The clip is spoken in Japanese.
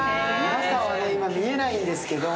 中は見えないんですけど。